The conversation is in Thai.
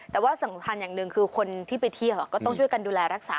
แต่ว่าสำคัญอย่างหนึ่งคือคนที่ไปเที่ยวก็ต้องช่วยกันดูแลรักษา